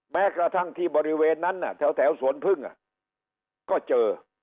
แม้กระทั่งที่บริเวณนั้นแถวสวนพึ่งก็เจอ